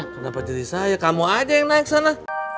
kenapa jadi saya kamu aja yang naik sana